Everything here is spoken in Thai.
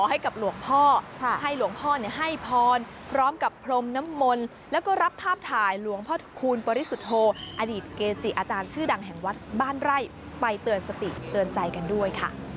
อาจารย์ชื่อดังแห่งวัดบ้านไบร่ายไปเตือนสติเตือนใจกันด้วยค่ะ